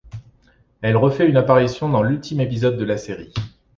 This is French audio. Elle refait une apparition dans l'ultime épisode de la série.